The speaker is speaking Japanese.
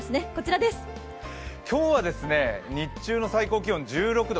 今日は日中の最高気温１６度。